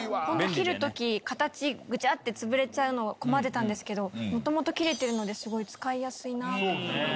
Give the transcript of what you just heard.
切るとき、形、ぐちゃって潰れちゃうの、困ってたんですけど、もともと切れてるので、すごい使いやすいなと。